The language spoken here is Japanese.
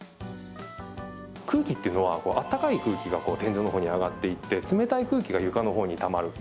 空気っていうのはあったかい空気が天井のほうに上がっていって冷たい空気が床のほうにたまる。